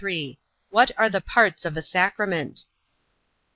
What are the parts of a sacrament?